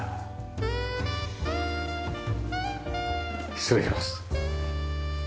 失礼します。